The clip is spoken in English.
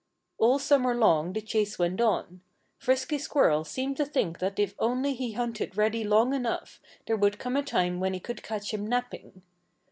All summer long the chase went on. Frisky Squirrel seemed to think that if only he hunted Reddy long enough there would come a time when he would catch him napping.